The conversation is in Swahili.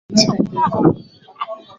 Ndio maana sina medali yoyote